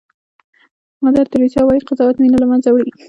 مادر تریسیا وایي قضاوت مینه له منځه وړي.